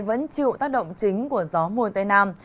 vẫn chịu tác động chính của gió mùa tây nam